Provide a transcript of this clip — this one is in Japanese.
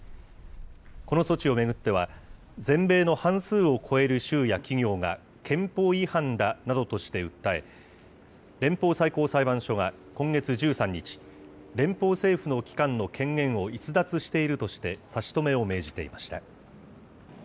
この措置を巡っては、全米の半数を超える州や企業が憲法違反だなどとして訴え、連邦最高裁判所が今月１３日、連邦政府の機関の権限を逸脱しているとして差し止めを命じていました。